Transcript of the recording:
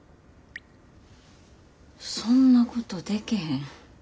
そんなことでけへん。